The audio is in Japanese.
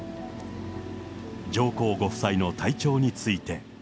上皇ご夫妻の体調について。